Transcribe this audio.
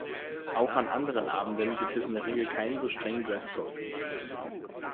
Auch an anderen Abenden gibt es in der Regel keinen so strengen Dresscode.